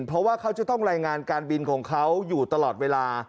เพราะว่าเขาจะต้องรายงานการบินของเขาอยู่ตลอดเวลา